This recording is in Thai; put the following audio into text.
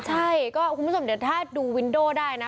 ใช่ก็คุณผู้ชมเดี๋ยวถ้าดูวินโด่ได้นะ